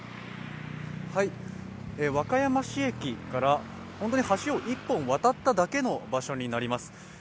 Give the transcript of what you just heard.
和歌山市駅から本当に橋を１本渡っただけの場所になります。